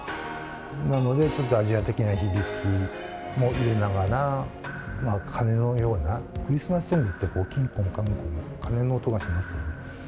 なのでちょっとアジア的な響きも入れながら、鐘のような、クリスマスソングって、きんこんかんこん鐘の音がしますよね。